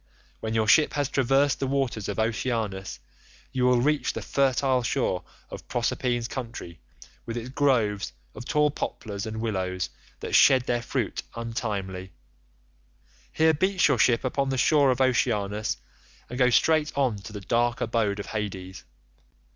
When your ship has traversed the waters of Oceanus, you will reach the fertile shore of Proserpine's country with its groves of tall poplars and willows that shed their fruit untimely; here beach your ship upon the shore of Oceanus, and go straight on to the dark abode of Hades.